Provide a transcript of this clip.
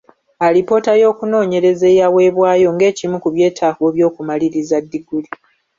Alipoota y’okunoonyereza eyaweebwayo ng’ekimu ku byetaago by’okumaliriza ddiguli.